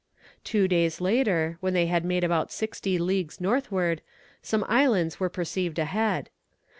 Two days later, when they had made about sixty leagues northward, some islands were perceived ahead.